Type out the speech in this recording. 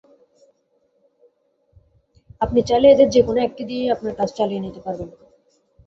আপনি চাইলে এদের যেকোনো একটি দিয়েই আপনার কাজ চালিয়ে নিতে পারবেন।